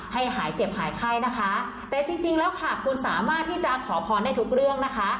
หายเจ็บหายไข้นะคะแต่จริงจริงแล้วค่ะคุณสามารถที่จะขอพรได้ทุกเรื่องนะคะ